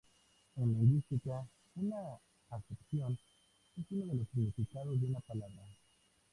En lingüística, una acepción es uno de los significados de una palabra.